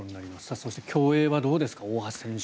そして、競泳はどうですか大橋選手。